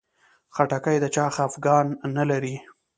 خټکی د چا خفګان نه لري.